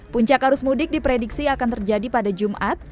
puncak arus mudik diprediksi akan terjadi pada jumat